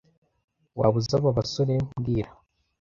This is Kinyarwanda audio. Waba uzi aba basore mbwira